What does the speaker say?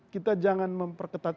kita jangan memperketat